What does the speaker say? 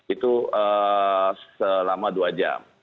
itu selama dua jam